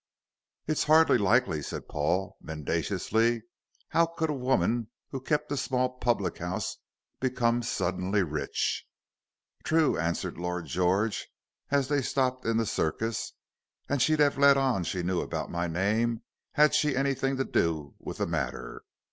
"It's hardly likely," said Paul, mendaciously. "How could a woman who kept a small public house become suddenly rich?" "True," answered Lord George, as they stopped in the Circus, "and she'd have let on she knew about my name had she anything to do with the matter.